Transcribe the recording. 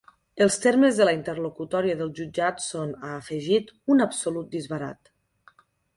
Els termes de la interlocutòria del jutjat són, ha afegit, ‘un absolut disbarat’.